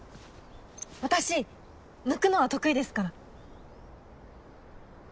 私抜くのは得意ですから。